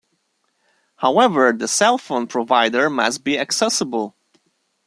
However, the cellphone provider must be accessible.